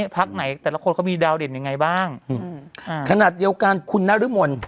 พักไหนแต่ละคนเขามีดาวเด่นยังไงบ้างขนาดเดียวกันคุณนรมน